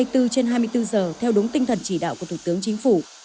hai mươi bốn trên hai mươi bốn giờ theo đúng tinh thần chỉ đạo của thủ tướng chính phủ